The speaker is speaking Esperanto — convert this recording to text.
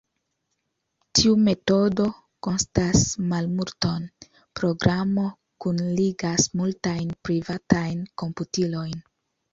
Tiu metodo kostas malmulton: Programo kunligas multajn privatajn komputilojn.